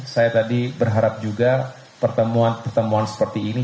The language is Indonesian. saya tadi berharap juga pertemuan pertemuan seperti ini